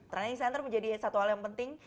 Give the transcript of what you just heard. training center menjadi satu hal yang penting